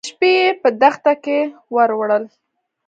د شپې يې په دښته کې واړول.